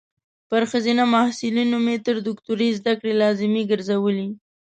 په خځینه محصلینو مې تر دوکتوری ذدکړي لازمي ګرزولي